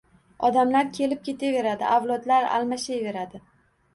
Odamlar kelib-ketaveradi, avlodlar almashaveradi.